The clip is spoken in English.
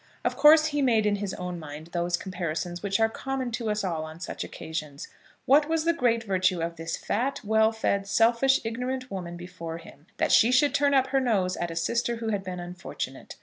Of course, he made in his own mind those comparisons which are common to us all on such occasions. What was the great virtue of this fat, well fed, selfish, ignorant woman before him, that she should turn up her nose at a sister who had been unfortunate?